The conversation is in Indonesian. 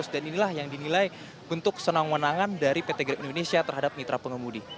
dan inilah yang dinilai untuk senang menangan dari pt grab indonesia terhadap mitra pengemudi